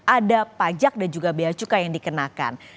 ada pajak dan juga biaya cukai yang dikenakan